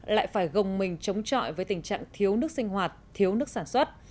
lại phải gồng mình chống trọi với tình trạng thiếu nước sinh hoạt thiếu nước sản xuất